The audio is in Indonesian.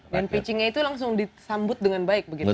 dan pitchingnya itu langsung disambut dengan baik begitu pak